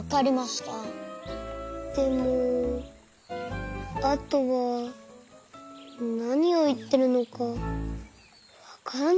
でもあとはなにをいってるのかわからなかった。